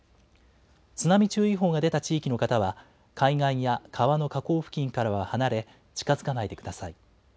津波注意報が出た地域の方は、海岸や川の河口付近からは離れ、近づかないでください。